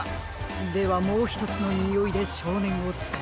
ではもうひとつのにおいでしょうねんをつかまえましょうか。